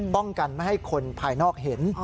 ป้องกันไม่ให้คนภายนอกเห็น